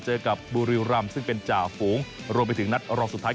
เจอกับบุรีรำซึ่งเป็นจ่าฝูงรวมไปถึงนัดรองสุดท้าย